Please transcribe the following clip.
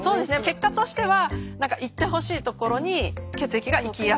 結果としては行ってほしい所に血液が行きやすい。